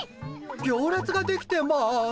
行列ができてます。